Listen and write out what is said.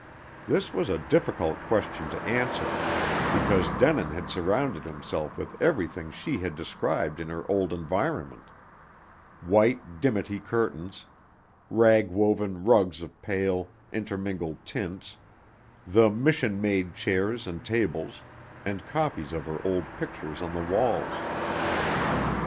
This was a difficult question to answer, because Denin had surrounded himself with everything she had described in her old environment: white dimity curtains, rag woven rugs of pale, intermingled tints, the "Mission" made chairs and tables, and copies of her old pictures on the walls.